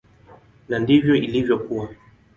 Na ndivyo ilivyokuwa.